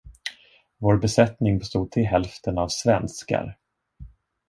Vår besättning bestod till hälften av svenskar.